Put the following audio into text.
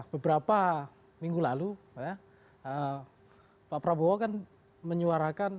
beberapa minggu lalu pak prabowo kan menyuarakan